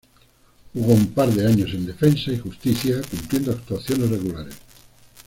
Jugó un par de años en Defensa y Justicia cumpliendo actuaciones regulares.